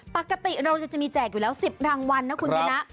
ปกติเราจะมีแจกอยู่แล้ว๑๐รางวัลนะคุณชนะ